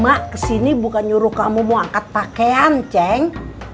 mak kesini bukan nyuruh kamu mau angkat pakaian ceng